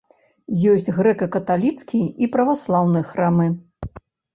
Ёсць грэка-каталіцкі і праваслаўны храмы.